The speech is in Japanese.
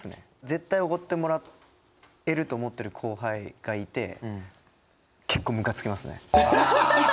絶対おごってもらえると思ってる後輩がいて結構ムカつきますね。